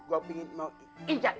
gua pingin mau injak injak dia